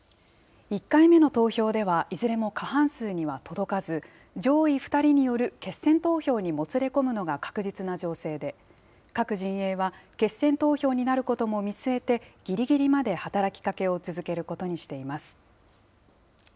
１回目の投票ではいずれも過半数には届かず、上位２人による決選投票にもつれ込むのが確実な情勢で、各陣営は決選投票になることも見据えて、ぎりぎりまで働きかけを続けることにしています。